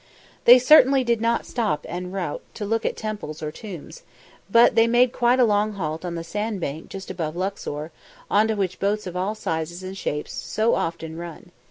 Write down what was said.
They certainly did not stop en route to look at temples or tombs, but they made quite a long halt on the sandbank just above Luxor, onto which boats of all sizes and shapes so often run.